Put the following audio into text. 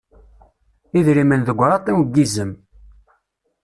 Idrimen deg uṛaṭiw n yizem.